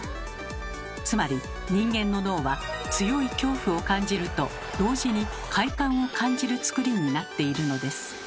つまり人間の脳は強い恐怖を感じると同時に快感を感じるつくりになっているのです。